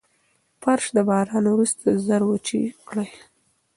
فرش د باران وروسته ژر وچ کړئ.